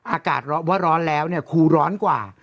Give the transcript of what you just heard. อากาศว่าร้อนแล้วเนี่ยครูร้อนกว่า